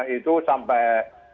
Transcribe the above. itu sampai dua ratus tiga puluh lima